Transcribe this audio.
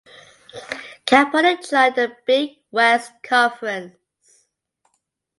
Cal Poly joined the Big West Conference.